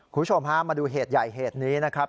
คุณผู้ชมฮะมาดูเหตุใหญ่เหตุนี้นะครับ